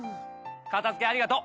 片付けありがとう！